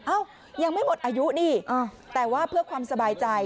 เอ้ายังไม่หมดอายุนี่แต่ว่าเพื่อความสบายใจ